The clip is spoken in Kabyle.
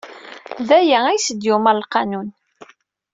D aya ayyes d-yumeṛ lqanun.